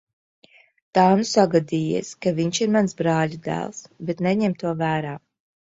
Tā nu sagadījies, ka viņš ir mans brāļadēls, bet neņem to vērā.